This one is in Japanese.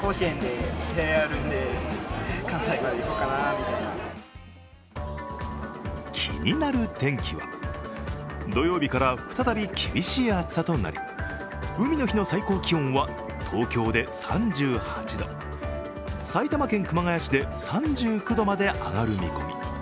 皆さんの予定は気になる天気は、土曜日から再び厳しい暑さとなり海の日の最高気温は東京で３８度埼玉県熊谷市で３９度まで上がる見込み。